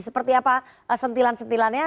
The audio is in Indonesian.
seperti apa sentilan sentilannya